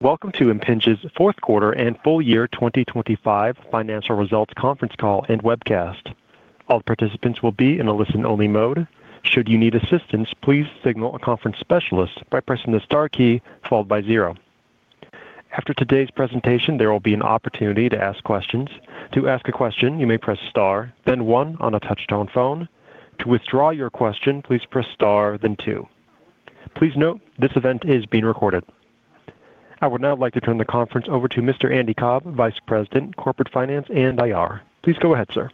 Welcome to Impinj's Q4 and Full Year 2025 Financial Results Conference Call and Webcast. All participants will be in a listen-only mode. Should you need assistance, please signal a conference specialist by pressing the star key followed by zero. After today's presentation, there will be an opportunity to ask questions. To ask a question, you may press star then one on a touch-tone phone. To withdraw your question, please press star then two. Please note, this event is being recorded. I would now like to turn the conference over to Mr. Andy Cobb, Vice President, Corporate Finance and IR. Please go ahead, sir.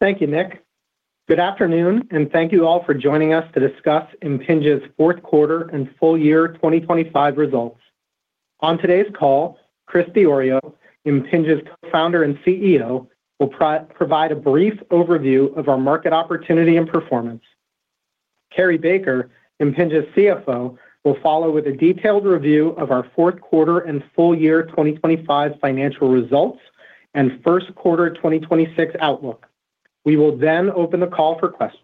Thank you, Nick. Good afternoon, and thank you all for joining us to discuss Impinj's Q4 and full year 2025 results. On today's call, Chris Diorio, Impinj's co-founder and CEO, will provide a brief overview of our market opportunity and performance. Cary Baker, Impinj's CFO, will follow with a detailed review of our Q4 and full year 2025 financial results and Q1 2026 outlook. We will then open the call for questions.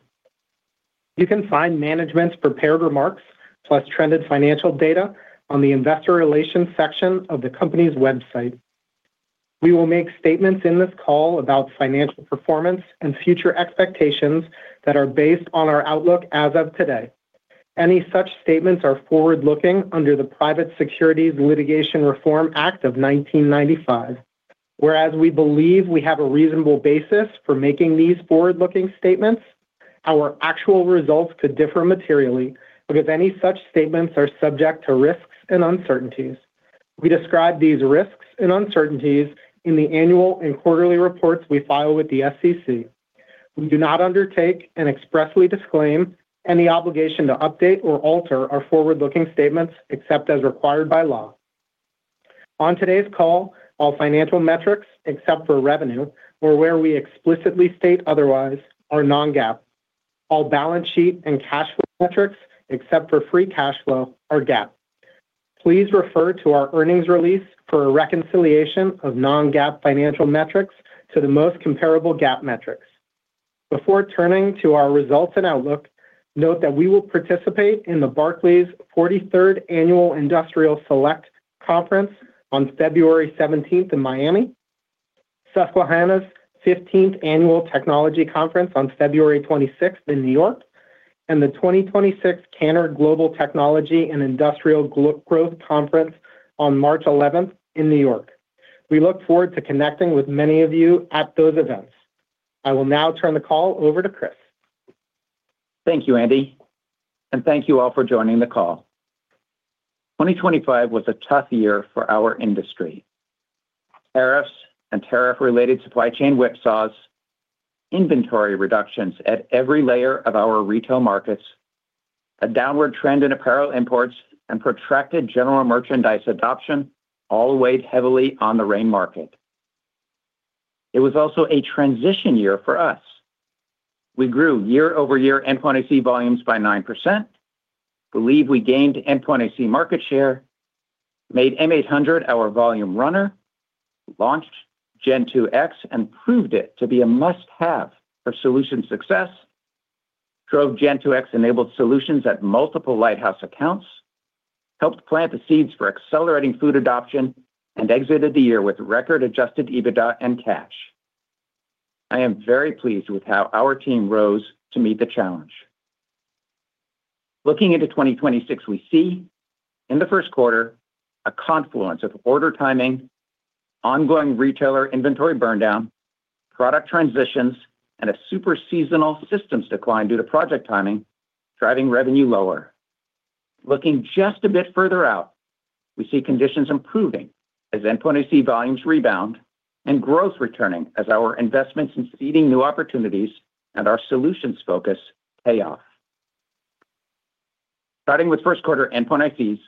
You can find management's prepared remarks, plus trended financial data on the investor relations section of the company's website. We will make statements in this call about financial performance and future expectations that are based on our outlook as of today. Any such statements are forward-looking under the Private Securities Litigation Reform Act of 1995. Whereas we believe we have a reasonable basis for making these forward-looking statements, our actual results could differ materially because any such statements are subject to risks and uncertainties. We describe these risks and uncertainties in the annual and quarterly reports we file with the SEC. We do not undertake and expressly disclaim any obligation to update or alter our forward-looking statements, except as required by law. On today's call, all financial metrics, except for revenue or where we explicitly state otherwise, are non-GAAP. All balance sheet and cash flow metrics, except for free cash flow, are GAAP. Please refer to our earnings release for a reconciliation of non-GAAP financial metrics to the most comparable GAAP metrics. Before turning to our results and outlook, note that we will participate in the Barclays 43rd Annual Industrial Select Conference on February 17th in Miami, Florida, Susquehanna's 15th Annual Technology Conference on February 26th in New York, New York, and the 2026 Cantor Global Technology and Industrial Growth Conference on March 11th in New York, New York. We look forward to connecting with many of you at those events. I will now turn the call over to Chris. Thank you, Andy, and thank you all for joining the call. 2025 was a tough year for our industry. Tariffs and tariff-related supply chain whipsaws, inventory reductions at every layer of our retail markets, a downward trend in apparel imports, and protracted general merchandise adoption all weighed heavily on the RAIN market. It was also a transition year for us. We grew year-over-year endpoint IC volumes by 9%, believe we gained endpoint IC market share, made M800 our volume runner, launched Gen2X and proved it to be a must-have for solution success, drove Gen2X-enabled solutions at multiple lighthouse accounts, helped plant the seeds for accelerating food adoption, and exited the year with record Adjusted EBITDA and cash. I am very pleased with how our team rose to meet the challenge. Looking into 2026, we see in the Q1 a confluence of order timing, ongoing retailer inventory burn down, product transitions, and a super seasonal systems decline due to project timing, driving revenue lower. Looking just a bit further out, we see conditions improving as endpoint IC volumes rebound and growth returning as our investments in seeding new opportunities and our solutions focus pay off. Starting with Q1 endpoint ICs,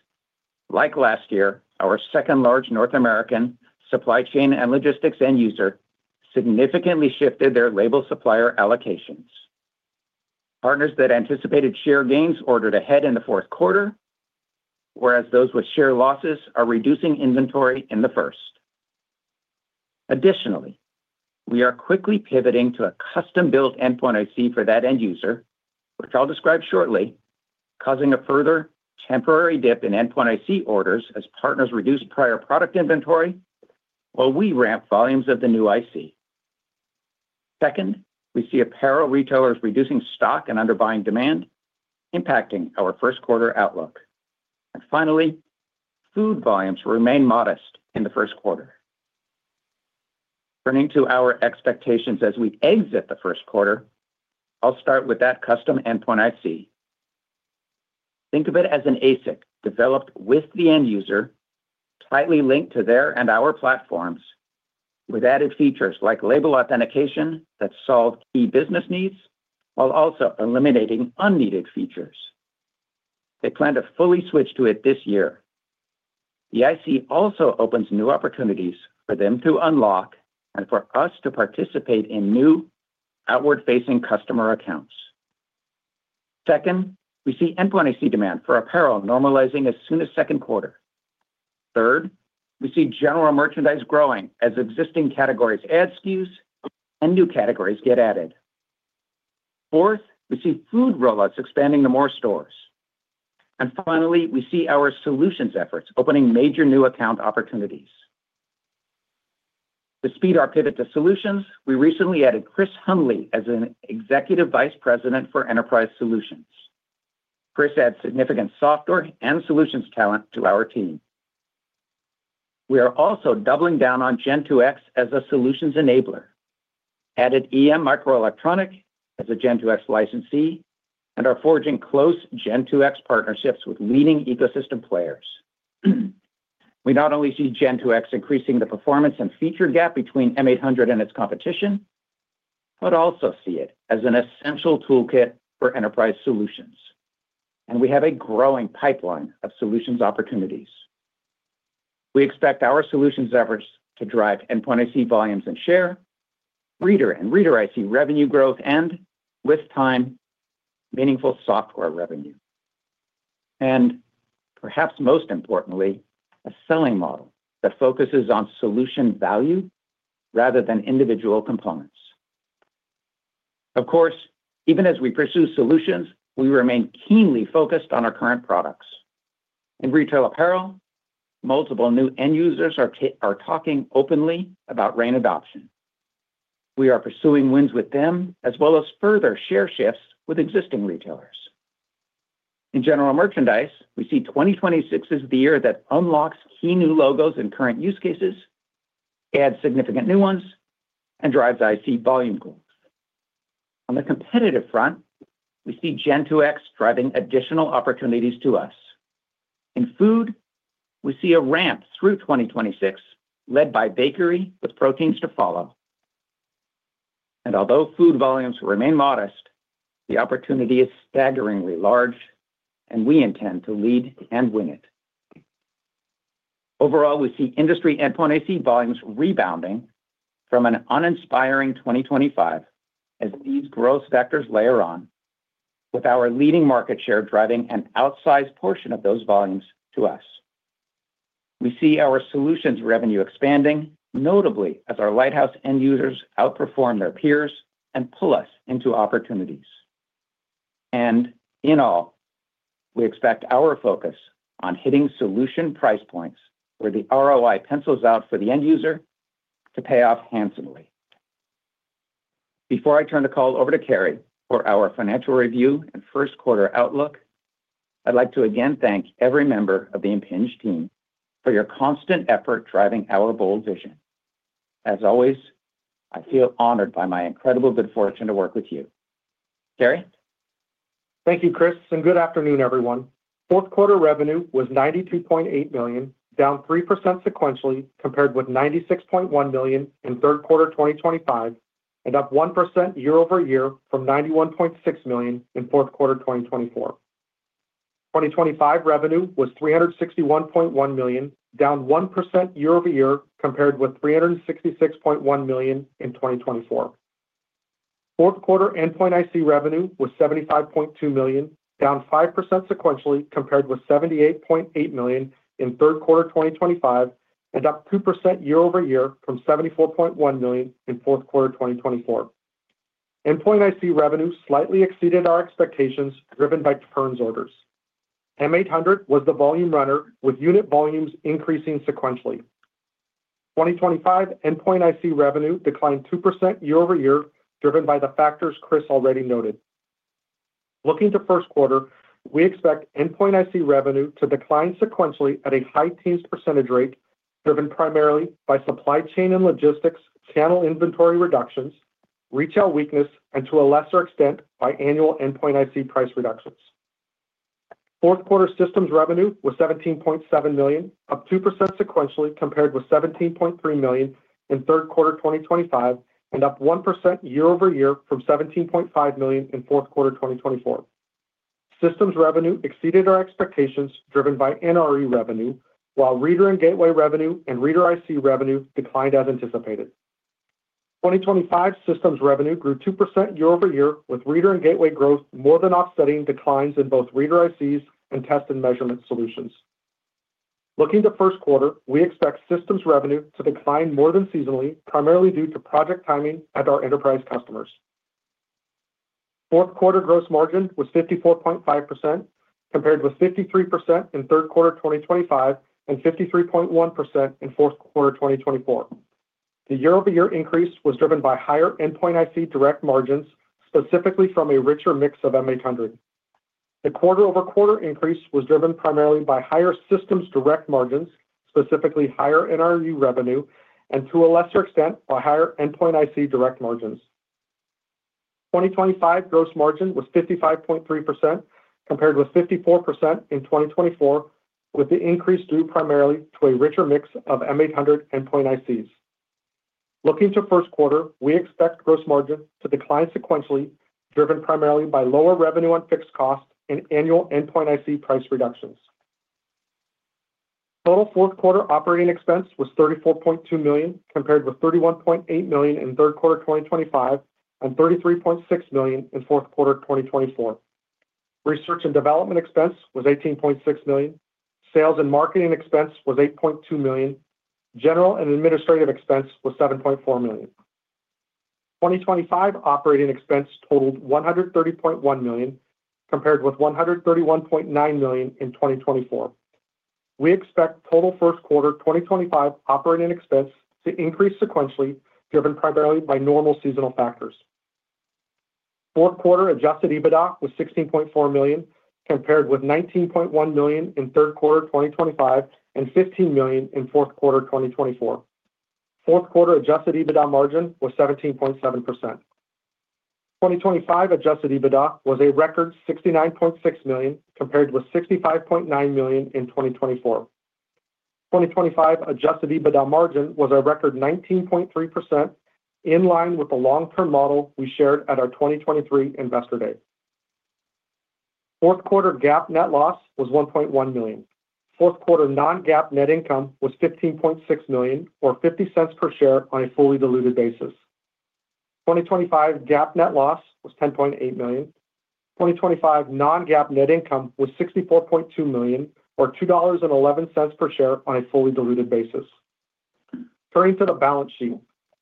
like last year, our second-large North American supply chain and logistics end user significantly shifted their label supplier allocations. Partners that anticipated share gains ordered ahead in the Q4, whereas those with share losses are reducing inventory in the first. Additionally, we are quickly pivoting to a custom-built endpoint IC for that end user, which I'll describe shortly, causing a further temporary dip in endpoint IC orders as partners reduce prior product inventory while we ramp volumes of the new IC. Second, we see apparel retailers reducing stock and under buying demand, impacting our Q1 outlook. Finally, food volumes remain modest in the Q1. Turning to our expectations as we exit the Q1, I'll start with that custom endpoint IC. Think of it as an ASIC developed with the end user, tightly linked to their and our platforms, with added features like label authentication that solve key business needs while also eliminating unneeded features. They plan to fully switch to it this year. The IC also opens new opportunities for them to unlock and for us to participate in new outward-facing customer accounts. Second, we see endpoint IC demand for apparel normalizing as soon as Q2. Third, we see general merchandise growing as existing categories add SKUs and new categories get added. Fourth, we see food rollouts expanding to more stores. And finally, we see our solutions efforts opening major new account opportunities. To speed our pivot to solutions, we recently added Chris Hundley as an Executive Vice President for Enterprise Solutions. Chris adds significant software and solutions talent to our team. We are also doubling down on Gen2X as a solutions enabler, added EM Microelectronic as a Gen2X licensee, and are forging close Gen2X partnerships with leading ecosystem players. We not only see Gen2X increasing the performance and feature gap between M800 and its competition, but also see it as an essential toolkit for enterprise solutions, and we have a growing pipeline of solutions opportunities. We expect our solutions efforts to drive endpoint IC volumes and share, reader and reader IC revenue growth, and with time, meaningful software revenue. And perhaps most importantly, a selling model that focuses on solution value rather than individual components. Of course, even as we pursue solutions, we remain keenly focused on our current products. In retail apparel, multiple new end users are talking openly about RAIN adoption. We are pursuing wins with them, as well as further share shifts with existing retailers. In general merchandise, we see 2026 as the year that unlocks key new logos and current use cases, adds significant new ones, and drives IC volume goals. On the competitive front, we see Gen2X driving additional opportunities to us. In food, we see a ramp through 2026, led by bakery, with proteins to follow. And although food volumes remain modest, the opportunity is staggeringly large, and we intend to lead and win it. Overall, we see industry endpoint IC volumes rebounding from an uninspiring 2025 as these growth vectors layer on, with our leading market share driving an outsized portion of those volumes to us. We see our solutions revenue expanding, notably as our lighthouse end users outperform their peers and pull us into opportunities. And in all, we expect our focus on hitting solution price points where the ROI pencils out for the end user to pay off handsomely. Before I turn the call over to Cary for our financial review and Q1 outlook, I'd like to again thank every member of the Impinj team for your constant effort driving our bold vision. As always, I feel honored by my incredible good fortune to work with you. Cary? Thank you, Chris, and good afternoon, everyone. Q4 revenue was $92.8 million, down 3% sequentially compared with $96.1 million in Q3 2025, and up 1% year-over-year from $91.6 million in Q4 2024. 2025 revenue was $361.1 million, down 1% year-over-year compared with $366.1 million in 2024. Q4 endpoint IC revenue was $75.2 million, down 5% sequentially compared with $78.8 million in Q3 2025, and up 2% year-over-year from $74.1 million in Q4 2024. Endpoint IC revenue slightly exceeded our expectations, driven by turns orders. M800 was the volume runner, with unit volumes increasing sequentially. 2025 endpoint IC revenue declined 2% year-over-year, driven by the factors Chris already noted. Looking to Q1, we expect endpoint IC revenue to decline sequentially at a high teens % rate, driven primarily by supply chain and logistics, channel inventory reductions, retail weakness, and to a lesser extent, by annual endpoint IC price reductions. Q4 systems revenue was $17.7 million, up 2% sequentially compared with $17.3 million in Q3 2025, and up 1% year-over-year from $17.5 million in Q4 2024. Systems revenue exceeded our expectations, driven by NRE revenue, while reader and gateway revenue and reader IC revenue declined as anticipated. 2025 systems revenue grew 2% year-over-year, with reader and gateway growth more than offsetting declines in both reader ICs and test and measurement solutions. Looking to Q1, we expect systems revenue to decline more than seasonally, primarily due to project timing at our enterprise customers. Q4 gross margin was 54.5%, compared with 53% in Q3 2025, and 53.1% in Q4 2024. The year-over-year increase was driven by higher endpoint IC direct margins, specifically from a richer mix of M800. The quarter-over-quarter increase was driven primarily by higher systems direct margins, specifically higher NRE revenue, and to a lesser extent, by higher endpoint IC direct margins. 2025 gross margin was 55.3%, compared with 54% in 2024, with the increase due primarily to a richer mix of M800 endpoint ICs. Looking to Q1, we expect gross margin to decline sequentially, driven primarily by lower revenue on fixed costs and annual endpoint IC price reductions. Total Q4 operating expense was $34.2 million, compared with $31.8 million in Q1 2025, and $33.6 million in Q4 2024. Research and development expense was $18.6 million. Sales and marketing expense was $8.2 million. General and administrative expense was $7.4 million. 2025 operating expense totaled $130.1 million, compared with $131.9 million in 2024. We expect total Q1 2025 operating expense to increase sequentially, driven primarily by normal seasonal factors. Q4 Adjusted EBITDA was $16.4 million, compared with $19.1 million in Q3 2025, and $15 million in Q4 2024. Q4 Adjusted EBITDA margin was 17.7%. 2025 adjusted EBITDA was a record $69.6 million, compared with $65.9 million in 2024. 2025 adjusted EBITDA margin was a record 19.3%, in line with the long-term model we shared at our 2023 investor day. Q4 GAAP net loss was $1.1 million. Q4 non-GAAP net income was $15.6 million, or $0.50 per share on a fully diluted basis. 2025 GAAP net loss was $10.8 million. 2025 non-GAAP net income was $64.2 million, or $2.11 per share on a fully diluted basis. Turning to the balance sheet,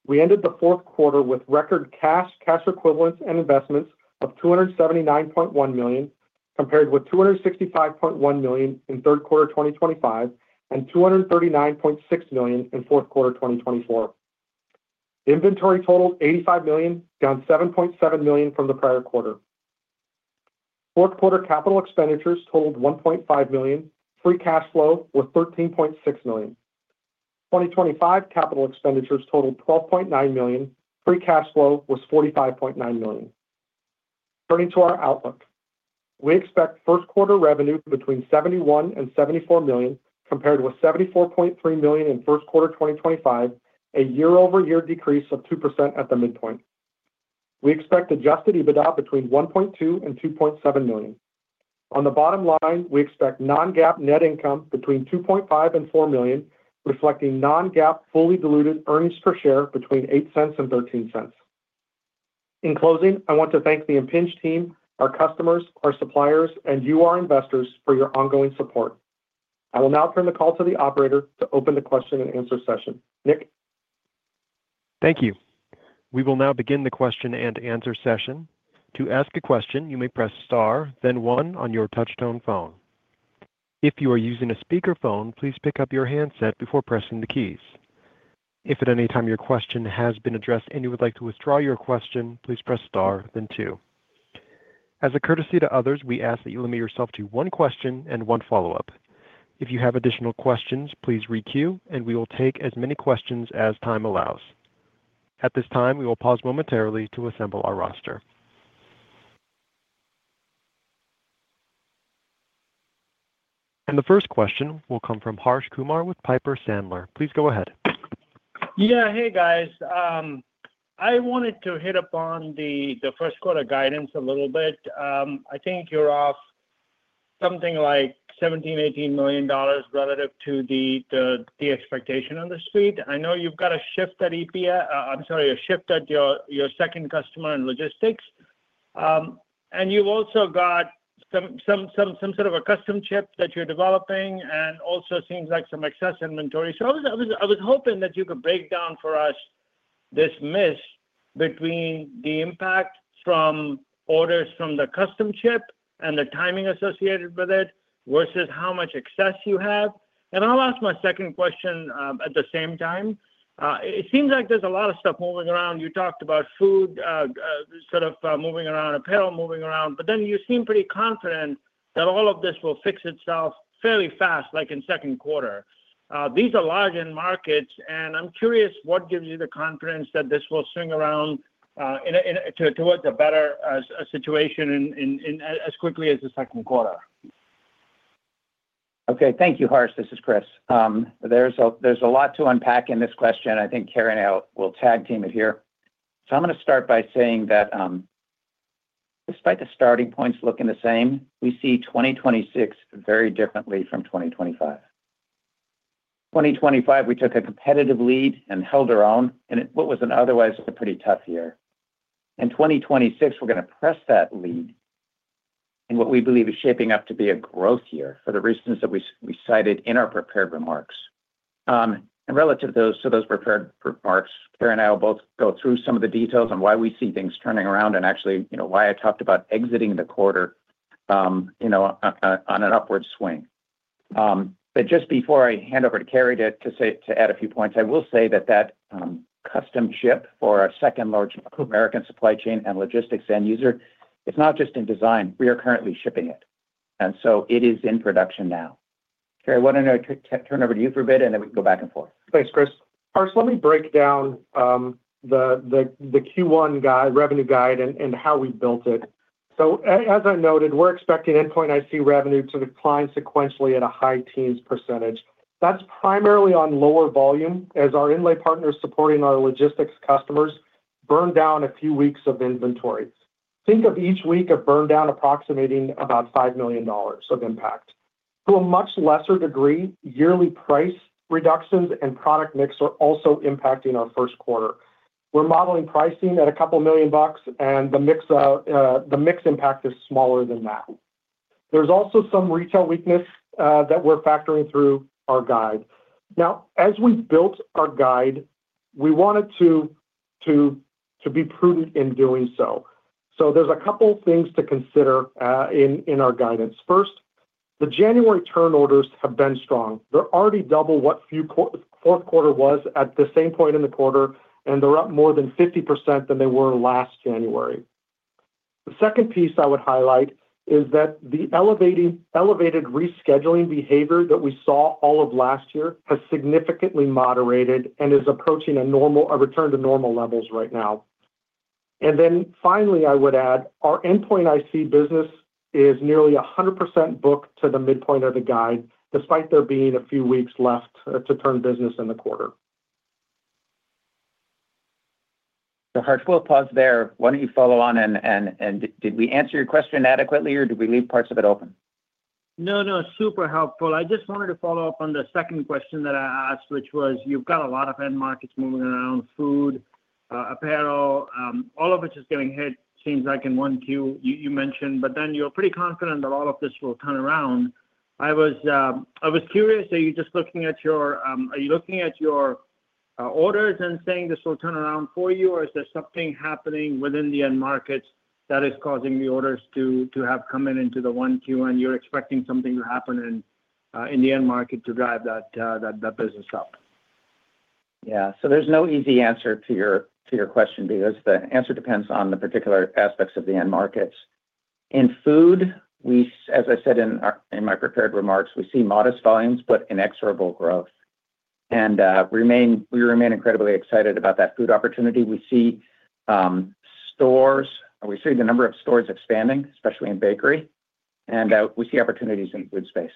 we ended the Q4 with record cash, cash equivalents, and investments of $279.1 million, compared with $265.1 million in Q3 2025, and $239.6 million in Q4 2024. Inventory totaled $85 million, down $7.7 million from the prior quarter. Q4 capital expenditures totaled $1.5 million. Free cash flow was $13.6 million. 2025 capital expenditures totaled $12.9 million. Free cash flow was $45.9 million. Turning to our outlook, we expect Q1 revenue between $71 and $74 million, compared with $74.3 million in Q1 2025, a year-over-year decrease of 2% at the midpoint. We expect Adjusted EBITDA between $1.2 and $2.7 million. On the bottom line, we expect non-GAAP net income between $2.5 and $4 million, reflecting non-GAAP fully diluted earnings per share between $0.08 and $0.13. In closing, I want to thank the Impinj team, our customers, our suppliers, and you, our investors, for your ongoing support. I will now turn the call to the operator to open the question and answer session. Nick? Thank you. We will now begin the question-and-answer session. To ask a question, you may press star, then one on your touchtone phone. If you are using a speakerphone, please pick up your handset before pressing the keys. If at any time your question has been addressed and you would like to withdraw your question, please press star, then two. As a courtesy to others, we ask that you limit yourself to one question and one follow-up. If you have additional questions, please re-queue, and we will take as many questions as time allows. At this time, we will pause momentarily to assemble our roster. The first question will come from Harsh Kumar with Piper Sandler. Please go ahead. Yeah. Hey, guys. I wanted to hit upon the Q1 guidance a little bit. I think you're off something like $17-$18 million relative to the expectation on the street. I know you've got a shift at EPA. I'm sorry, a shift at your second customer in logistics. And you've also got some sort of a custom chip that you're developing, and also seems like some excess inventory. So I was hoping that you could break down for us this miss between the impact from orders from the custom chip and the timing associated with it versus how much excess you have. And I'll ask my second question at the same time. It seems like there's a lot of stuff moving around. You talked about food, sort of, moving around, apparel moving around, but then you seem pretty confident that all of this will fix itself fairly fast, like in Q2. These are large end markets, and I'm curious, what gives you the confidence that this will swing around in towards a better situation in as quickly as the Q2? Okay. Thank you, Harsh. This is Chris. There's a lot to unpack in this question. I think Cary and I will tag-team it here. So I'm gonna start by saying that, despite the starting points looking the same, we see 2026 very differently from 2025. 2025, we took a competitive lead and held our own, in what was an otherwise a pretty tough year. In 2026, we're gonna press that lead in what we believe is shaping up to be a growth year for the reasons that we cited in our prepared remarks. And relative to those prepared remarks, Cary and I will both go through some of the details on why we see things turning around, and actually, you know, why I talked about exiting the quarter, you know, on an upward swing. But just before I hand over to Cary to add a few points, I will say that custom chip for our second largest American supply chain and logistics end user, it's not just in design. We are currently shipping it, and so it is in production now. Cary, why don't I turn it over to you for a bit, and then we can go back and forth? Thanks, Chris. Harsh, let me break down the Q1 guide, revenue guide and how we built it. So as I noted, we're expecting endpoint IC revenue to decline sequentially at a high teens %. That's primarily on lower volume, as our inlay partners supporting our logistics customers burn down a few weeks of inventory. Think of each week of burn down approximating about $5 million of impact. To a much lesser degree, yearly price reductions and product mix are also impacting our Q1. We're modeling pricing at $2 million, and the mix impact is smaller than that. There's also some retail weakness that we're factoring through our guide. Now, as we built our guide, we wanted to be prudent in doing so. So there's a couple things to consider in our guidance. First, the January turn orders have been strong. They're already double what the Q4 was at the same point in the quarter, and they're up more than 50% than they were last January. The second piece I would highlight is that the elevated rescheduling behavior that we saw all of last year has significantly moderated and is approaching a normal, a return to normal levels right now. And then finally, I would add, our endpoint IC business is nearly 100% booked to the midpoint of the guide, despite there being a few weeks left to turn business in the quarter. So Harsh, pause there. Why don't you follow on, and did we answer your question adequately, or did we leave parts of it open? No, no, super helpful. I just wanted to follow up on the second question that I asked, which was, you've got a lot of end markets moving around, food, apparel, all of which is getting hit, seems like in 1Q, you mentioned, but then you're pretty confident that all of this will turn around. I was curious, are you just looking at your orders and saying this will turn around for you? Or is there something happening within the end markets that is causing the orders to have come in into the 1Q, and you're expecting something to happen in the end market to drive that business up? Yeah. So there's no easy answer to your question because the answer depends on the particular aspects of the end markets. In food, as I said in my prepared remarks, we see modest volumes, but inexorable growth. And we remain incredibly excited about that food opportunity. We see stores, we see the number of stores expanding, especially in bakery, and we see opportunities in food space.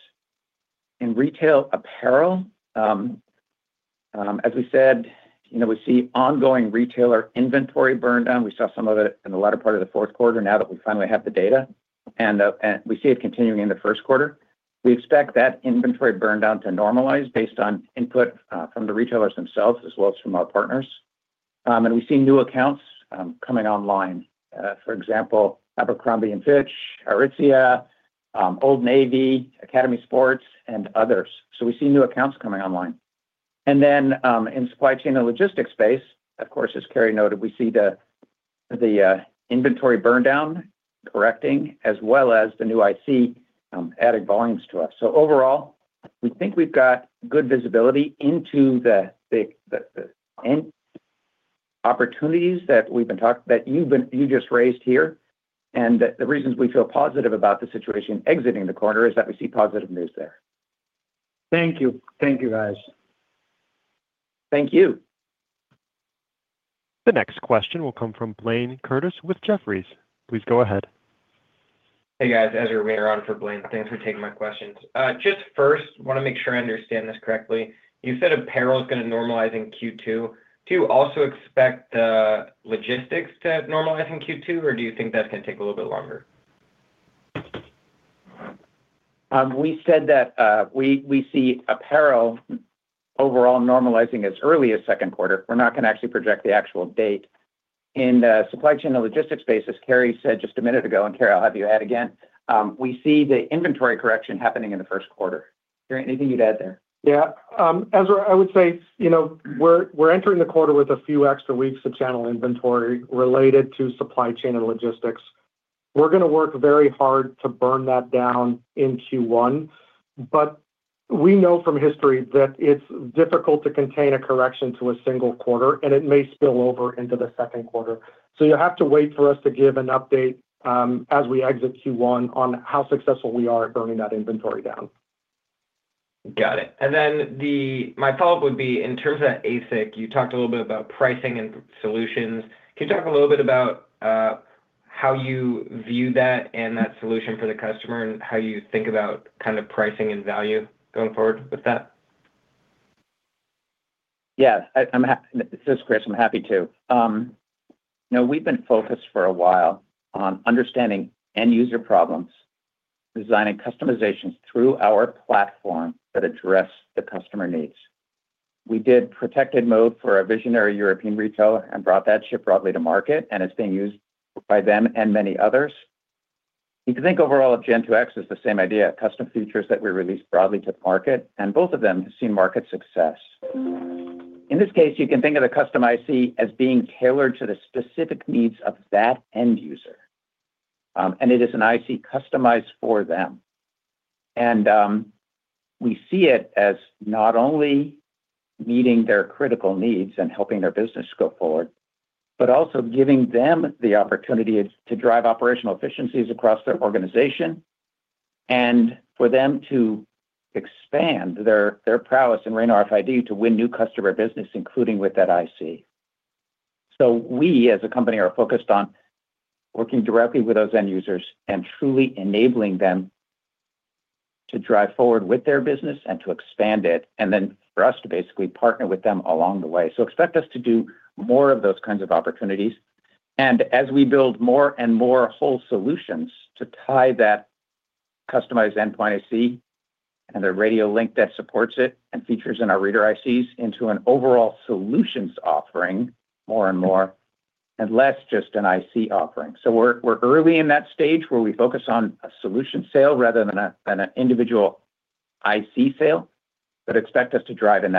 In retail apparel, as we said, you know, we see ongoing retailer inventory burn down. We saw some of it in the latter part of the Q4, now that we finally have the data, and we see it continuing in the Q1. We expect that inventory burn down to normalize based on input from the retailers themselves, as well as from our partners. And we see new accounts coming online. For example, Abercrombie & Fitch, Aritzia, Old Navy, Academy Sports, and others. So we see new accounts coming online. And then, in supply chain and logistics space, of course, as Cary noted, we see the inventory burn down correcting, as well as the new IC adding volumes to us. So overall, we think we've got good visibility into the end opportunities that you've been you just raised here, and that the reasons we feel positive about the situation exiting the quarter is that we see positive news there. Thank you. Thank you, guys. Thank you. The next question will come from Blayne Curtis with Jefferies. Please go ahead. Hey, guys. Ezra Weener on for Blayne. Thanks for taking my questions. Just first, want to make sure I understand this correctly. You said apparel is gonna normalize in Q2. Do you also expect the logistics to normalize in Q2, or do you think that's gonna take a little bit longer? We said that we see apparel overall normalizing as early as Q2. We're not gonna actually project the actual date. In the supply chain and logistics space, as Cary said just a minute ago, and Cary, I'll have you add again, we see the inventory correction happening in the Q1. Cary, anything you'd add there? Yeah. Ezra, I would say, you know, we're entering the quarter with a few extra weeks of channel inventory related to supply chain and logistics. We're gonna work very hard to burn that down in Q1, but we know from history that it's difficult to contain a correction to a single quarter, and it may spill over into the Q2. So you'll have to wait for us to give an update, as we exit Q1 on how successful we are at burning that inventory down. Got it. And then my follow-up would be, in terms of ASIC, you talked a little bit about pricing and solutions. Can you talk a little bit about how you view that and that solution for the customer, and how you think about kind of pricing and value going forward with that? This is Chris. I'm happy to. You know, we've been focused for a while on understanding end user problems, designing customizations through our platform that address the customer needs. We did protected mode for a visionary European retailer and brought that ship broadly to market, and it's being used by them and many others. You can think overall of Gen2X as the same idea, custom features that we released broadly to the market, and both of them have seen market success. In this case, you can think of the custom IC as being tailored to the specific needs of that end user, and it is an IC customized for them. We see it as not only meeting their critical needs and helping their business go forward, but also giving them the opportunity to drive operational efficiencies across their organization, and for them to expand their prowess in RAIN RFID to win new customer business, including with that IC. So we, as a company, are focused on working directly with those end users and truly enabling them to drive forward with their business and to expand it, and then for us to basically partner with them along the way. So expect us to do more of those kinds of opportunities. And as we build more and more whole solutions to tie that customized endpoint IC and the radio link that supports it, and features in our reader ICs into an overall solutions offering more and more, and less just an IC offering. So we're early in that stage where we focus on a solution sale rather than an individual IC sale, but expect us to drive in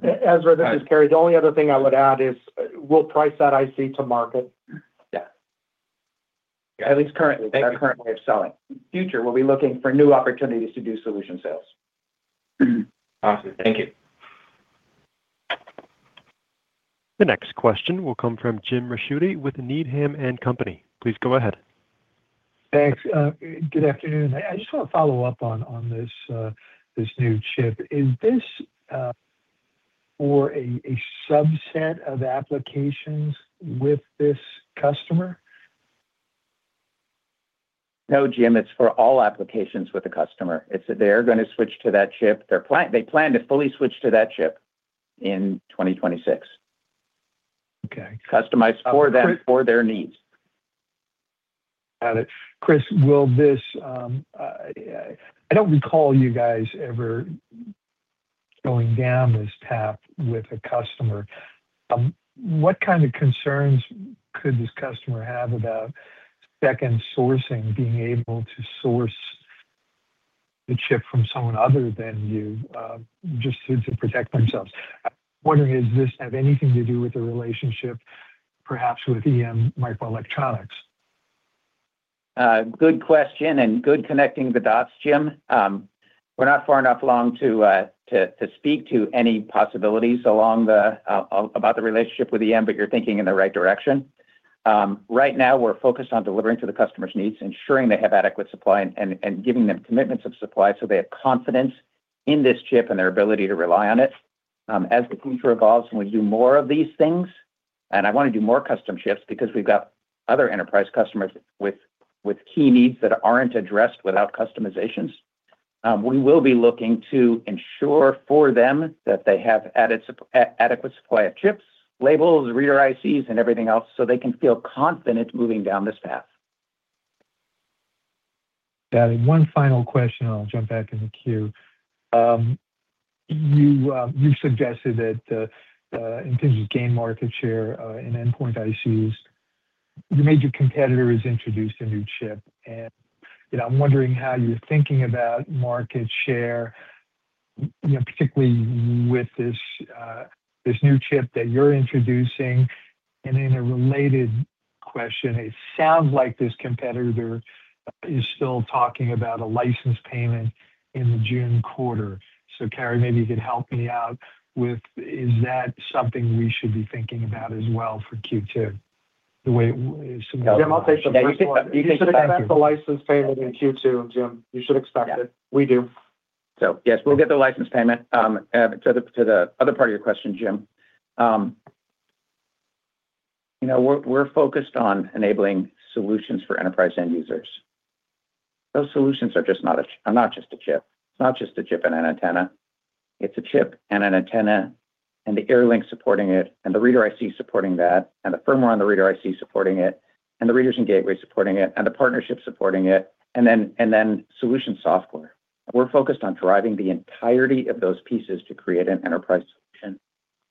that direction. Ezra, this is Cary. The only other thing I would add is, we'll price that IC to market. Yeah. At least currently, our current way of selling. Future, we'll be looking for new opportunities to do solution sales. Awesome. Thank you. The next question will come from James Ricchiuti with Needham & Company. Please go ahead. Thanks. Good afternoon. I just want to follow up on this new chip. Is this for a subset of applications with this customer? No, Jim, it's for all applications with the customer. It's they're gonna switch to that chip. They plan to fully switch to that chip in 2026. Okay. Customized for them, for their needs. Got it. Chris, will this, I don't recall you guys ever going down this path with a customer. What kind of concerns could this customer have about second sourcing, being able to source the chip from someone other than you, just to protect themselves? I'm wondering, does this have anything to do with the relationship, perhaps with EM Microelectronic? Good question, and good connecting the dots, Jim. We're not far enough along to speak to any possibilities along the about the relationship with EM, but you're thinking in the right direction. Right now, we're focused on delivering to the customer's needs, ensuring they have adequate supply and giving them commitments of supply, so they have confidence in this chip and their ability to rely on it. As the future evolves and we do more of these things, and I wanna do more custom chips because we've got other enterprise customers with key needs that aren't addressed without customizations, we will be looking to ensure for them that they have adequate supply of chips, labels, reader ICs, and everything else, so they can feel confident moving down this path. Got it. One final question, and I'll jump back in the queue. You suggested that, in terms of gain market share, in endpoint ICs, your major competitor has introduced a new chip. And, you know, I'm wondering how you're thinking about market share, you know, particularly with this, this new chip that you're introducing. And in a related question, it sounds like this competitor is still talking about a license payment in the June quarter. So, Cary, maybe you could help me out with, is that something we should be thinking about as well for Q2, the way it- Jim, I'll take that. Yeah, you should- You should expect a license payment in Q2, Jim. You should expect it. Yeah. We do. So yes, we'll get the license payment. To the other part of your question, Jim. You know, we're focused on enabling solutions for enterprise end users. Those solutions are not just a chip. It's not just a chip and an antenna. It's a chip and an antenna, and the airlink supporting it, and the Reader IC supporting that, and the firmware on the Reader IC supporting it, and the readers and gateway supporting it, and the partnership supporting it, and then solution software. We're focused on driving the entirety of those pieces to create an enterprise solution.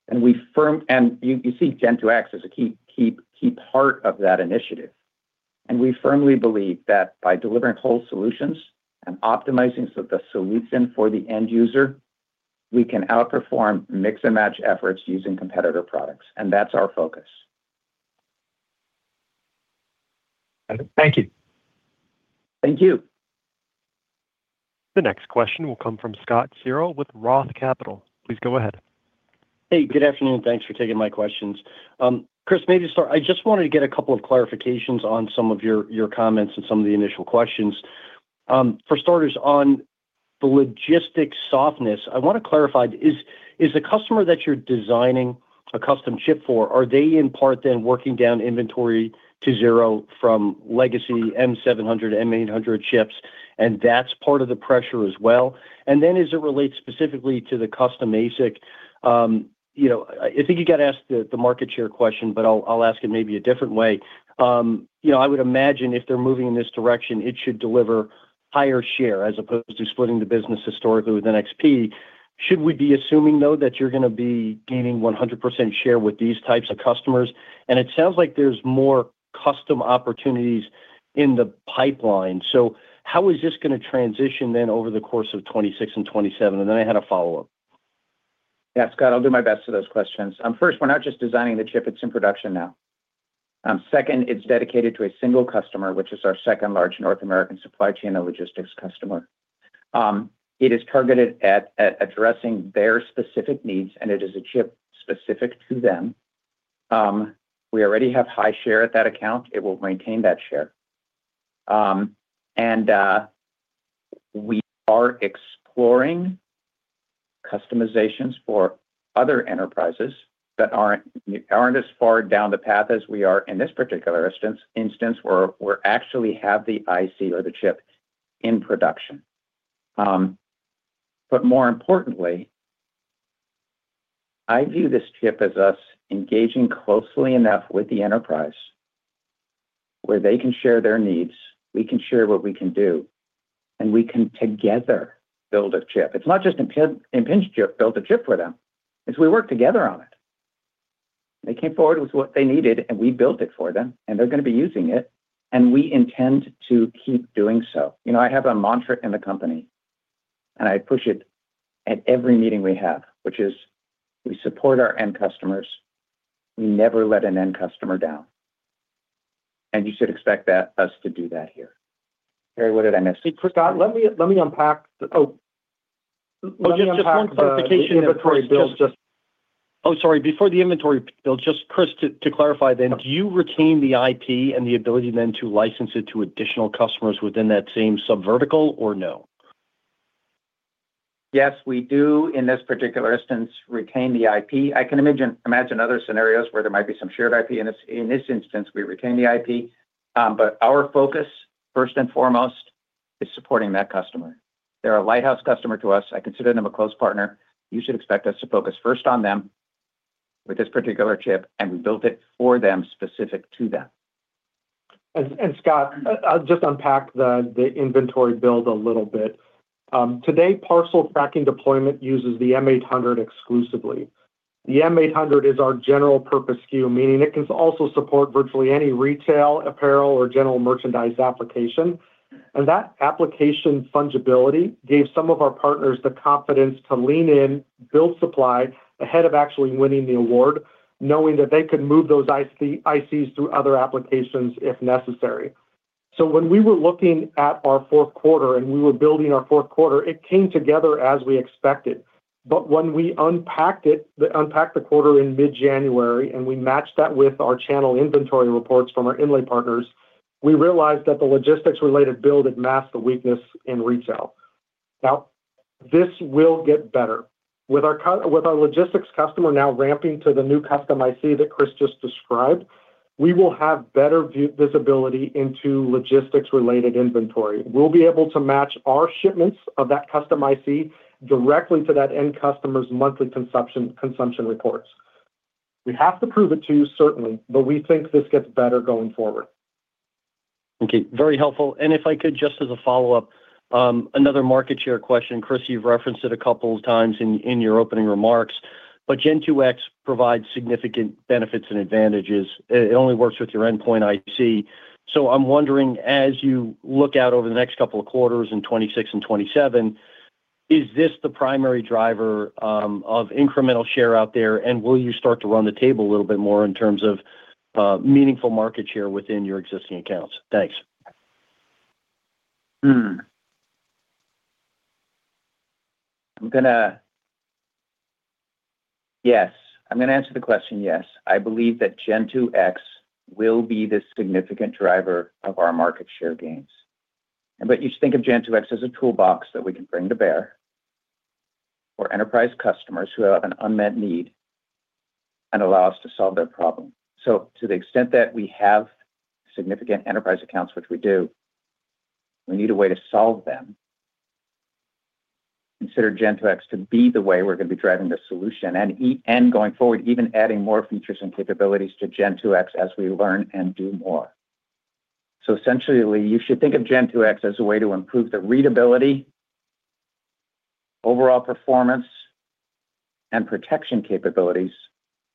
And you see Gen2X as a key, key, key part of that initiative. We firmly believe that by delivering whole solutions and optimizing so the solution for the end user, we can outperform mix-and-match efforts using competitor products, and that's our focus. Thank you. Thank you. The next question will come from Scott Searle with Roth Capital. Please go ahead. Hey, good afternoon, and thanks for taking my questions. Chris, maybe start. I just wanted to get a couple of clarifications on some of your, your comments and some of the initial questions. For starters, on the logistics softness, I wanna clarify, is the customer that you're designing a custom chip for, are they in part then working down inventory to zero from legacy M700, M800 chips, and that's part of the pressure as well? And then as it relates specifically to the custom ASIC, you know, I think you got to ask the market share question, but I'll ask it maybe a different way. You know, I would imagine if they're moving in this direction, it should deliver higher share as opposed to splitting the business historically with NXP. Should we be assuming, though, that you're gonna be gaining 100% share with these types of customers? And it sounds like there's more custom opportunities in the pipeline. So how is this gonna transition then over the course of 2026 and 2027? And then I had a follow-up. Yeah, Scott, I'll do my best to those questions. First, we're not just designing the chip, it's in production now. Second, it's dedicated to a single customer, which is our second largest North American supply chain and logistics customer. It is targeted at addressing their specific needs, and it is a chip specific to them. We already have high share at that account. It will maintain that share. And we are exploring customizations for other enterprises that aren't as far down the path as we are in this particular instance, where we're actually have the IC or the chip in production. But more importantly, I view this chip as us engaging closely enough with the enterprise, where they can share their needs, we can share what we can do, and we can together build a chip. It's not just Impinj, Impinj chip built a chip for them; it's we worked together on it. They came forward with what they needed, and we built it for them, and they're gonna be using it, and we intend to keep doing so. You know, I have a mantra in the company, and I push it at every meeting we have, which is: we support our end customers. We never let an end customer down. And you should expect that: us to do that here. Harsh, what did I miss? Hey, Scott, let me unpack the. Oh, let me unpack the- Just one clarification. Oh, sorry, before the inventory build, just Chris, to clarify then, do you retain the IP and the ability then to license it to additional customers within that same subvertical or no? Yes, we do, in this particular instance, retain the IP. I can imagine, imagine other scenarios where there might be some shared IP. In this, in this instance, we retain the IP, but our focus, first and foremost, is supporting that customer. They're a lighthouse customer to us. I consider them a close partner. You should expect us to focus first on them with this particular chip, and we built it for them, specific to them. Scott, I'll just unpack the inventory build a little bit. Today, parcel tracking deployment uses the M800 exclusively. The M800 is our general purpose SKU, meaning it can also support virtually any retail, apparel, or general merchandise application. And that application fungibility gave some of our partners the confidence to lean in, build supply ahead of actually winning the award, knowing that they could move those IC, ICs through other applications, if necessary. So when we were looking at our Q4, and we were building our Q4, it came together as we expected. But when we unpacked it, unpacked the quarter in mid-January, and we matched that with our channel inventory reports from our inlay partners, we realized that the logistics-related build had masked the weakness in retail. Now, this will get better. With our logistics customer now ramping to the new custom IC that Chris just described, we will have better visibility into logistics-related inventory. We'll be able to match our shipments of that custom IC directly to that end customer's monthly consumption reports. We have to prove it to you, certainly, but we think this gets better going forward. Okay, very helpful. If I could just as a follow-up, another market share question, Chris. You've referenced it a couple of times in your opening remarks, but Gen2X provides significant benefits and advantages. It only works with your endpoint IC. So I'm wondering, as you look out over the next couple of quarters in 2026 and 2027, is this the primary driver of incremental share out there, and will you start to run the table a little bit more in terms of meaningful market share within your existing accounts? Thanks. Hmm. Yes, I'm gonna answer the question yes. I believe that Gen2X will be the significant driver of our market share gains. But you think of Gen2X as a toolbox that we can bring to bear for enterprise customers who have an unmet need and allow us to solve their problem. So to the extent that we have significant enterprise accounts, which we do, we need a way to solve them. Consider Gen2X to be the way we're gonna be driving the solution, and going forward, even adding more features and capabilities to Gen2X as we learn and do more. So essentially, you should think of Gen2X as a way to improve the readability, overall performance, and protection capabilities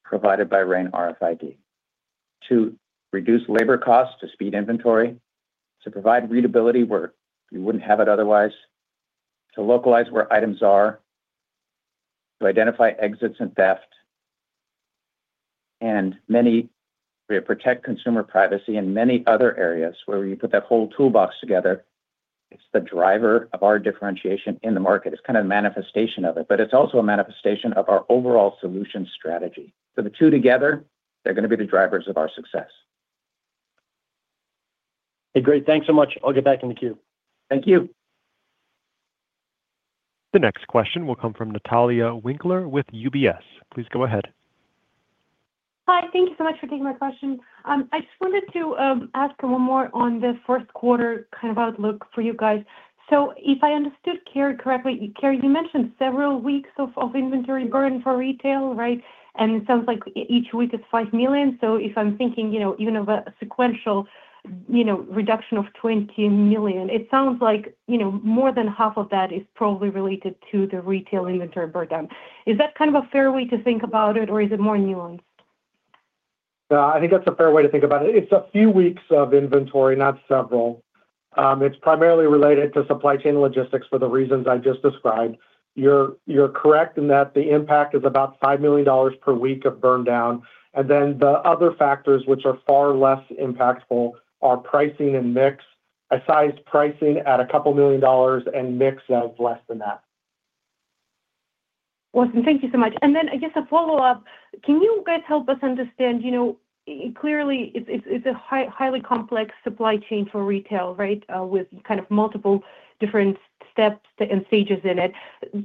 provided by RAIN RFID to reduce labor costs, to speed inventory, to provide readability where you wouldn't have it otherwise, to localize where items are, to identify exits and theft. We protect consumer privacy in many other areas where you put that whole toolbox together. It's the driver of our differentiation in the market. It's kind of a manifestation of it, but it's also a manifestation of our overall solution strategy. So the two together, they're gonna be the drivers of our success. Hey, great. Thanks so much. I'll get back in the queue. Thank you. The next question will come from Natalia Winkler with UBS. Please go ahead. Hi, thank you so much for taking my question. I just wanted to ask one more on the Q1 kind of outlook for you guys. So if I understood Cary correctly, Cary, you mentioned several weeks of inventory burn for retail, right? And it sounds like each week it's $5 million. So if I'm thinking, you know, even of a sequential, you know, reduction of $20 million, it sounds like, you know, more than half of that is probably related to the retail inventory burndown. Is that kind of a fair way to think about it, or is it more nuanced? I think that's a fair way to think about it. It's a few weeks of inventory, not several. It's primarily related to supply chain logistics for the reasons I just described. You're, you're correct in that the impact is about $5 million per week of burn down, and then the other factors, which are far less impactful, are pricing and mix. I sized pricing at $2 million and mix of less than that. Awesome. Thank you so much. And then I guess a follow-up: Can you guys help us understand, you know, clearly it's a highly complex supply chain for retail, right? With kind of multiple different steps and stages in it.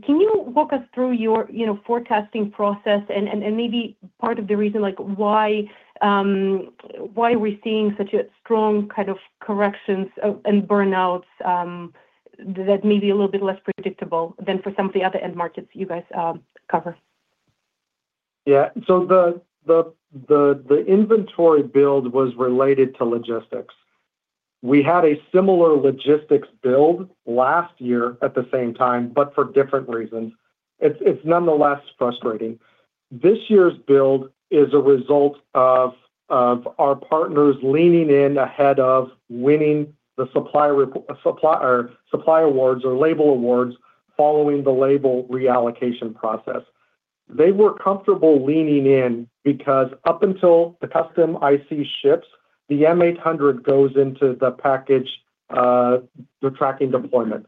Can you walk us through your, you know, forecasting process and maybe part of the reason, like, why why we're seeing such a strong kind of corrections and burnouts that may be a little bit less predictable than for some of the other end markets you guys cover? Yeah. So the inventory build was related to logistics. We had a similar logistics build last year at the same time, but for different reasons. It's nonetheless frustrating. This year's build is a result of our partners leaning in ahead of winning the supplier resupply, or supply awards or label awards, following the label reallocation process. They were comfortable leaning in because up until the custom IC ships, the M800 goes into the package, the tracking deployment.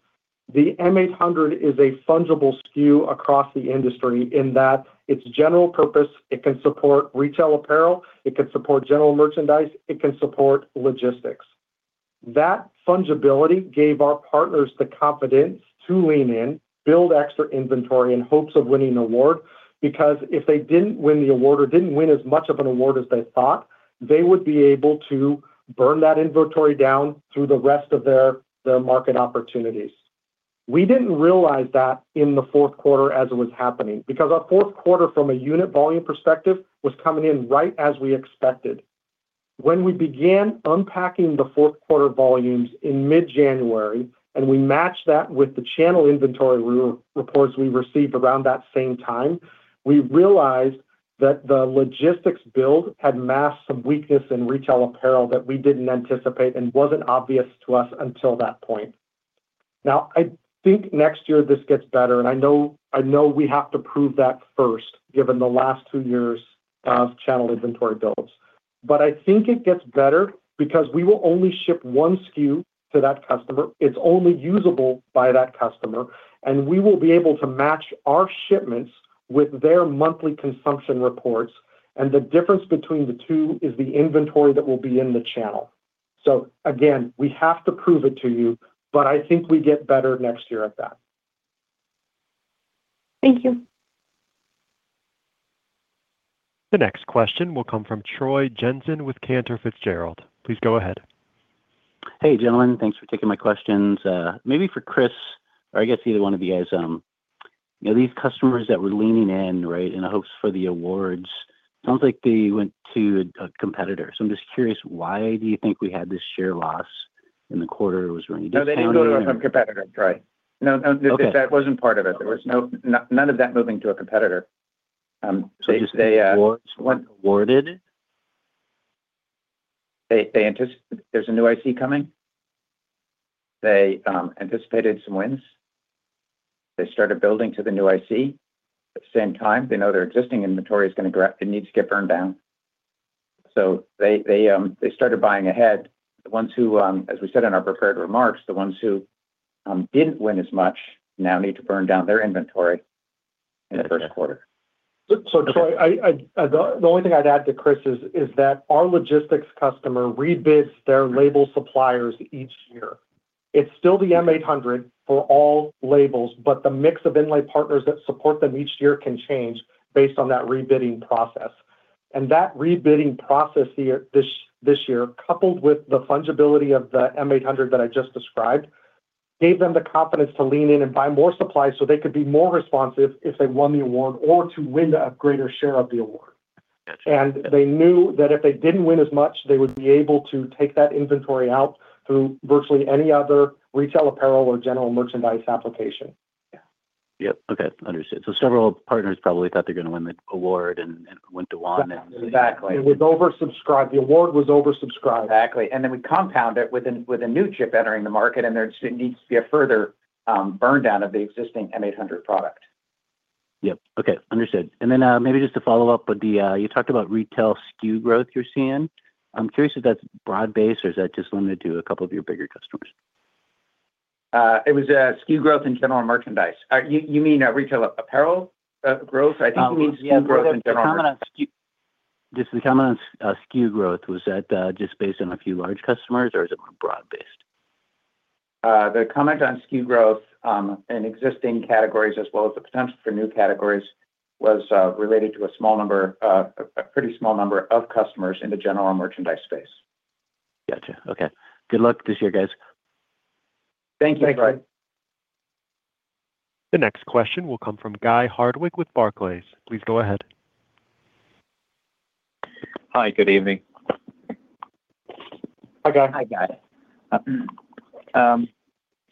The M800 is a fungible SKU across the industry in that it's general purpose, it can support retail apparel, it can support general merchandise, it can support logistics. That fungibility gave our partners the confidence to lean in, build extra inventory in hopes of winning an award, because if they didn't win the award or didn't win as much of an award as they thought, they would be able to burn that inventory down through the rest of their, their market opportunities. We didn't realize that in the Q4 as it was happening, because our Q4, from a unit volume perspective, was coming in right as we expected. When we began unpacking the Q4 volumes in mid-January, and we matched that with the channel inventory reports we received around that same time, we realized that the logistics build had masked some weakness in retail apparel that we didn't anticipate and wasn't obvious to us until that point. Now, I think next year this gets better, and I know, I know we have to prove that first, given the last two years of channel inventory builds. But I think it gets better because we will only ship one SKU to that customer. It's only usable by that customer, and we will be able to match our shipments with their monthly consumption reports, and the difference between the two is the inventory that will be in the channel. So again, we have to prove it to you, but I think we get better next year at that. Thank you. The next question will come from Troy Jensen with Cantor Fitzgerald. Please go ahead. Hey, gentlemen, thanks for taking my questions. Maybe for Chris, or I guess either one of you guys, you know, these customers that were leaning in, right, in the hopes for the awards, sounds like they went to a competitor. So I'm just curious, why do you think we had this share loss in the quarter? It was- No, they didn't go to a competitor, Troy. No, no, Okay. That wasn't part of it. Okay. There was none of that moving to a competitor. So they Awards weren't awarded? There's a new IC coming. They anticipated some wins. They started building to the new IC. At the same time, they know their existing inventory is gonna drop, it needs to get burned down. So they started buying ahead. The ones who, as we said in our prepared remarks, the ones who didn't win as much now need to burn down their inventory in the Q1. So, Troy, I, the only thing I'd add to Chris is that our logistics customer rebids their label suppliers each year. It's still the M800 for all labels, but the mix of inlay partners that support them each year can change based on that rebidding process. And that rebidding process this year, coupled with the fungibility of the M800 that I just described, gave them the confidence to lean in and buy more supplies so they could be more responsive if they won the award or to win a greater share of the award. And they knew that if they didn't win as much, they would be able to take that inventory out through virtually any other retail apparel or general merchandise application. Yeah. Yep. Okay, understood. So several partners probably thought they were going to win the award and went to one and- Exactly. It was oversubscribed. The award was oversubscribed. Exactly. And then we compound it with a new chip entering the market, and there needs to be a further burn down of the existing M800 product. Yep. Okay. Understood. And then, maybe just to follow up with the, you talked about retail SKU growth you're seeing. I'm curious if that's broad based, or is that just limited to a couple of your bigger customers? It was a SKU growth in general merchandise. You mean retail apparel growth? I think you mean SKU growth in general. Just the comment on SKU growth, was that just based on a few large customers, or is it more broad based? The comment on SKU growth in existing categories, as well as the potential for new categories, was related to a small number, a pretty small number of customers in the general merchandise space. Gotcha. Okay. Good luck this year, guys. Thank you, Troy. Thanks. The next question will come from Guy Hardwick with Barclays. Please go ahead. Hi, good evening. Hi, Guy. Hi, Guy.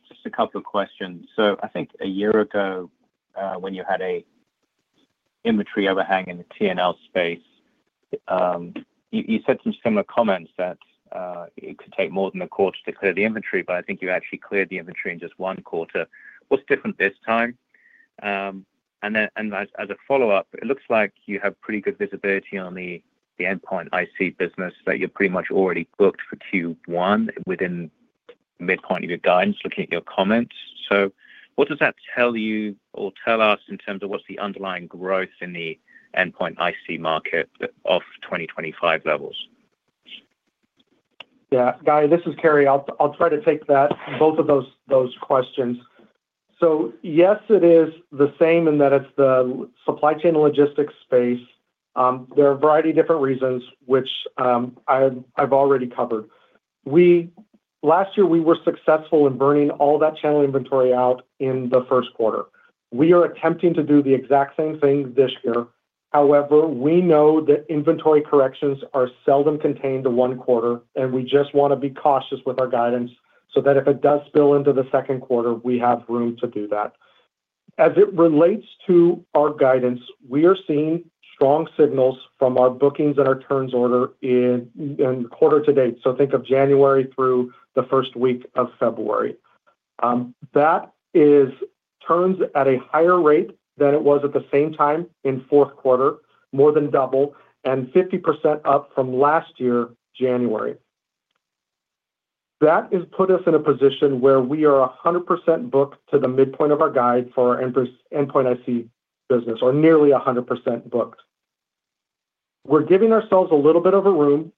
Just a couple of questions. So I think a year ago, when you had an inventory overhang in the T&L space, you said some similar comments that it could take more than a quarter to clear the inventory, but I think you actually cleared the inventory in just one quarter. What's different this time? And as a follow-up, it looks like you have pretty good visibility on the endpoint IC business, that you're pretty much already booked for Q1 within midpoint of your guidance, looking at your comments. So what does that tell you or tell us in terms of what's the underlying growth in the endpoint IC market off 2025 levels? Yeah, Guy, this is Cary. I'll try to take that, both of those questions. So yes, it is the same in that it's the supply chain logistics space. There are a variety of different reasons, which I've already covered. Last year, we were successful in burning all that channel inventory out in the Q1. We are attempting to do the exact same thing this year. However, we know that inventory corrections are seldom contained to one quarter, and we just want to be cautious with our guidance so that if it does spill into the Q2, we have room to do that. As it relates to our guidance, we are seeing strong signals from our bookings and our turns orders in quarter to date. So think of January through the first week of February. That is turns at a higher rate than it was at the same time in Q4, more than double, and 50% up from last year, January. That has put us in a position where we are 100% booked to the midpoint of our guide for our endpoint IC business, or nearly 100% booked. We're giving ourselves a little bit of a room,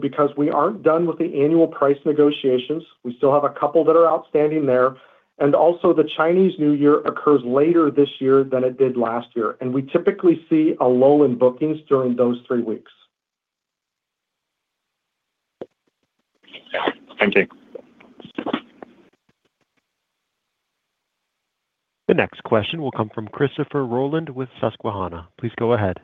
because we aren't done with the annual price negotiations. We still have a couple that are outstanding there. And also, the Chinese New Year occurs later this year than it did last year, and we typically see a lull in bookings during those three weeks. Thank you. The next question will come from Christopher Rolland with Susquehanna. Please go ahead.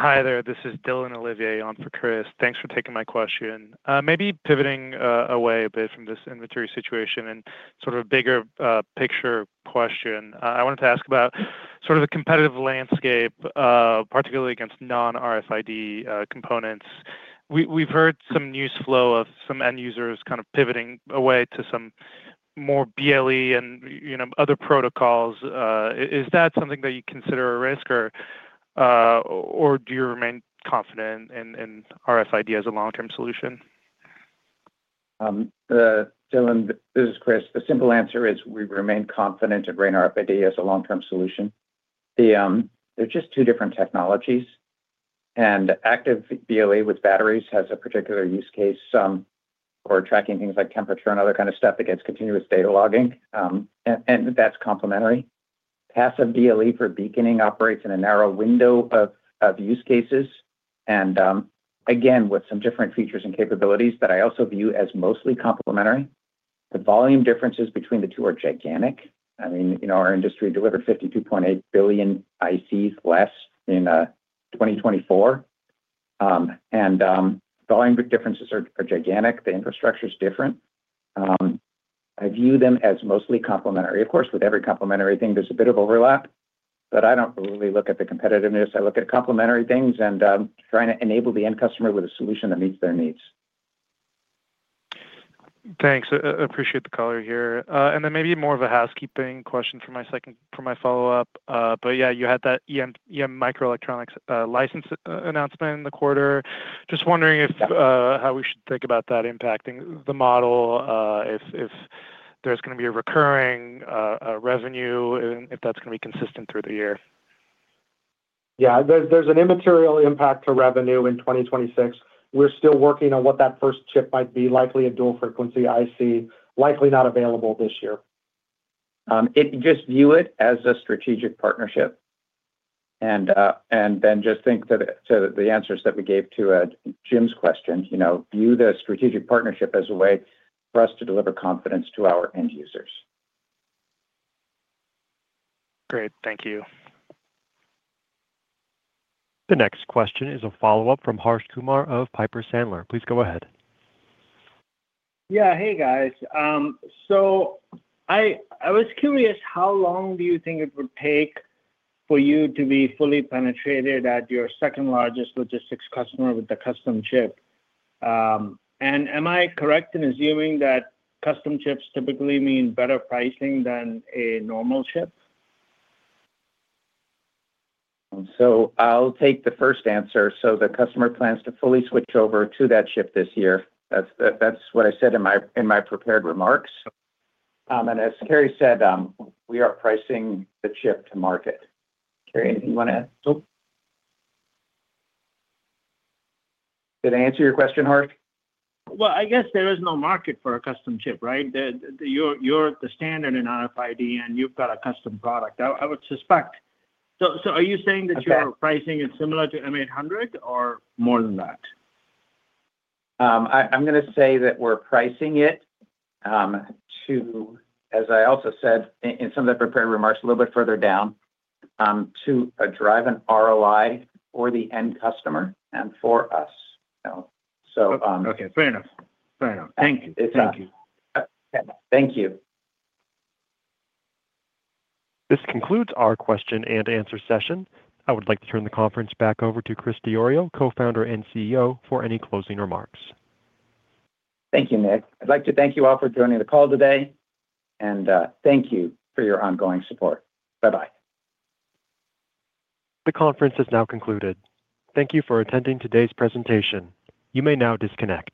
Hi there, this is Dylan Olivier on for Chris. Thanks for taking my question. Maybe pivoting away a bit from this inventory situation and sort of a bigger picture question. I wanted to ask about sort of the competitive landscape, particularly against non-RFID components. We've heard some news flow of some end users kind of pivoting away to some more BLE and, you know, other protocols. Is that something that you consider a risk, or do you remain confident in RFID as a long-term solution? Dylan, this is Chris. The simple answer is we remain confident in RAIN RFID as a long-term solution. They're just two different technologies, and active BLE with batteries has a particular use case for tracking things like temperature and other kind of stuff that gets continuous data logging, and that's complementary. Passive BLE for beaconing operates in a narrow window of use cases, and again, with some different features and capabilities that I also view as mostly complementary. The volume differences between the two are gigantic. I mean, you know, our industry delivered 52.8 billion ICs in 2024. And the volume differences are gigantic. The infrastructure is different. I view them as mostly complementary. Of course, with every complementary thing, there's a bit of overlap, but I don't really look at the competitiveness. I look at complementary things and trying to enable the end customer with a solution that meets their needs. Thanks. Appreciate the color here. And then maybe more of a housekeeping question for my second, for my follow-up. But yeah, you had that EM Microelectronic license announcement in the quarter. Just wondering if, how we should think about that impacting the model, if, if there's gonna be a recurring revenue, and if that's gonna be consistent through the year. Yeah, there's an immaterial impact to revenue in 2026. We're still working on what that first chip might be, likely a dual frequency IC, likely not available this year. Just view it as a strategic partnership, and then just think that it, so the answers that we gave to Jim's question, you know, view the strategic partnership as a way for us to deliver confidence to our end users. Great, thank you. The next question is a follow-up from Harsh Kumar of Piper Sandler. Please go ahead. Yeah. Hey, guys. So I was curious, how long do you think it would take for you to be fully penetrated at your second largest logistics customer with the custom chip? And am I correct in assuming that custom chips typically mean better pricing than a normal chip? I'll take the first answer. The customer plans to fully switch over to that chip this year. That's what I said in my prepared remarks. And as Cary said, we are pricing the chip to market. Cary, anything you want to add? Nope. Did I answer your question, Harsh? Well, I guess there is no market for a custom chip, right? You're the standard in RFID, and you've got a custom product. I would suspect... So are you saying that your pricing is similar to M800 or more than that? I'm gonna say that we're pricing it to, as I also said in some of the prepared remarks, a little bit further down, to drive an ROI for the end customer and for us. So, Okay, fair enough. Fair enough. Thank you. Yeah. Thank you. Thank you. This concludes our question and answer session. I would like to turn the conference back over to Chris Diorio, Co-founder and CEO, for any closing remarks. Thank you, Nick. I'd like to thank you all for joining the call today, and thank you for your ongoing support. Bye-bye. The conference is now concluded. Thank you for attending today's presentation. You may now disconnect.